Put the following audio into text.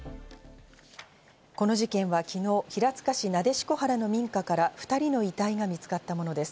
この事件は昨日、平塚市撫子原の民家から２人の遺体が見つかったものです。